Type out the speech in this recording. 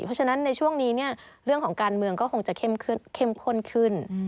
เพราะฉะนั้นในช่วงนี้เรื่องของการเมืองก็คงจะเข้มข้นขึ้น